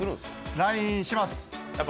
ＬＩＮＥ、します。